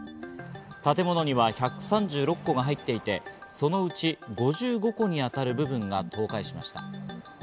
建物には１３６戸が入っていて、そのうち５５戸に当たる部分が倒壊しました。